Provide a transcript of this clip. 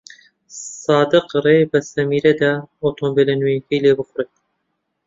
سادق ڕێی بە سەمیرە دا ئۆتۆمۆبیلە نوێیەکەی لێ بخوڕێت.